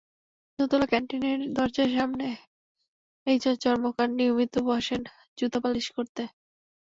দোতলায় ক্যানটিনের দরজার সামনে একজন চর্মকার নিয়মিত বসেন জুতা পালিশ করতে।